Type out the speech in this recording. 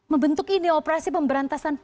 membentuk ini operasi pemberantasan